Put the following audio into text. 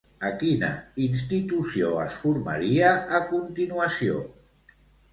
A quina institució es formaria a continuació?